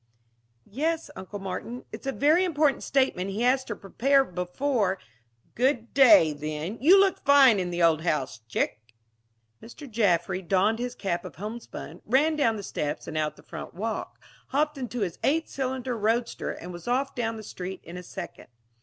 "Yes, Uncle Martin. It's a very important statement he has to prepare before " "Good day, then. You look fine in the old house, chick!" Mr. Jaffry donned his cap of homespun, ran down the steps and out the front walk, hopped into his eight cylinder roadster, and was off down the street in a second.